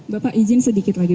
bapak izin sedikit lagi